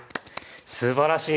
すばらしい！